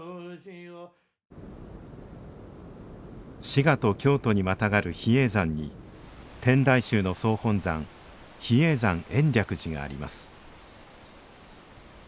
滋賀と京都にまたがる比叡山に天台宗の総本山比叡山延暦寺があります